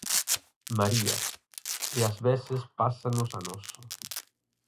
María: E ás veces pásanos a nós.